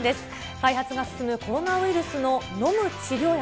開発が進むコロナウイルスの飲む治療薬。